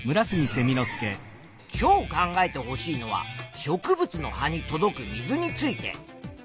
今日考えてほしいのは植物の葉に届く水について。